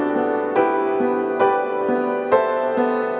aku gak dengerin kata kata kamu mas